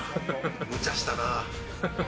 むちゃしたなぁ。